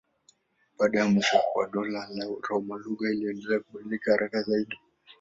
Baada ya mwisho wa Dola la Roma lugha iliendelea kubadilika haraka zaidi.